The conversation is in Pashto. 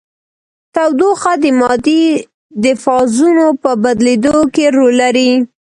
تودوخه د مادې د فازونو په بدلیدو کې رول لري.